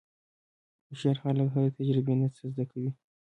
هوښیار خلک له هرې تجربې نه څه زده کوي.